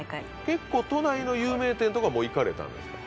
結構都内の有名店とかはもう行かれたんですか？